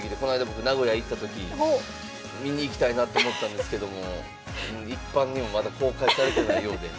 僕名古屋行った時見に行きたいなと思ったんですけども一般にはまだ公開されてないようで。